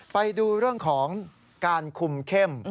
ไปดูเรื่องของการคุมเข้ม